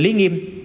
sử lý nghiêm